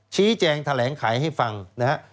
ชี้แจงแถลงไขให้ฟังนะฮะ